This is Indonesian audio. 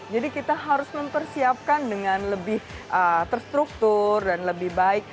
jadi kita harus mempersiapkan dengan lebih terstruktur dan lebih baik